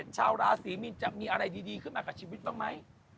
ชาวราศีมีนจะมีอะไรดีขึ้นมากับชีวิตบ้างไหม